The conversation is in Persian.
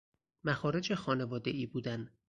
مخارج خانواده ای بودن